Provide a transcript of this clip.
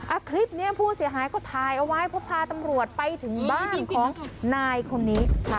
อ่ะคลิปเนี้ยผู้เสียหายก็ถ่ายเอาไว้เพราะพาตำรวจไปถึงบ้านของนายคนนี้ค่ะ